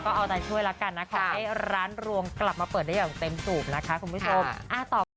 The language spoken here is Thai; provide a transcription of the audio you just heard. ก็เอาใจช่วยแล้วกันนะขอให้ร้านรวงกลับมาเปิดได้อย่างเต็มสูบนะคะคุณผู้ชม